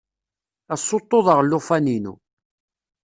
Ad ssuṭuḍeɣ llufan-inu.